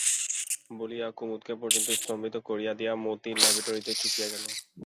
বলিয়া কুমুদকে পর্যন্ত স্তম্ভিত করিয়া দিয়া মতি ল্যাভেটরিতে চুকিয়া গেল।